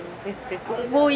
thì cũng vui